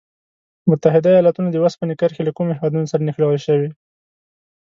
متحد ایلاتونو د اوسپنې کرښې له کومو هېوادونو سره نښلول شوي؟